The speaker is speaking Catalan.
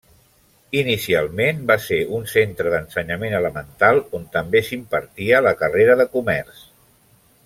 Inicialment va ser un centre d'ensenyament elemental, on també s'impartia la carrera de comerç.